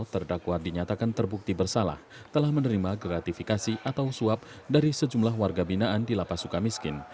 terdakwa dinyatakan terbukti bersalah telah menerima gratifikasi atau suap dari sejumlah warga binaan di lapas suka miskin